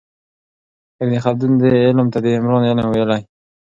ابن خلدون دې علم ته د عمران علم ویلی و.